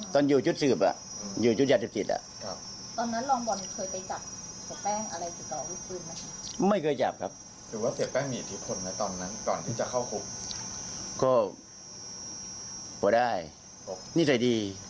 ตอนอยู่ชุดสืบอยู่ชุดยาตรรวิต